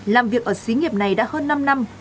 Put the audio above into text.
làm việc ở xí nghiệp này đã hơn năm năm